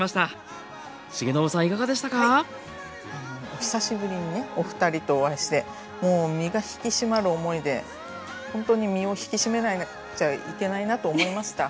お久しぶりにねお二人とお会いしてもう身が引き締まる思いでほんとに身を引き締めないといけないなと思いました。